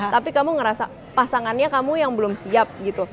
tapi kamu ngerasa pasangannya kamu yang belum siap gitu